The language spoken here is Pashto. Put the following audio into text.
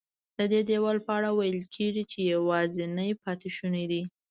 ددې دیوال په اړه ویل کېږي چې یوازینی پاتې شونی دی.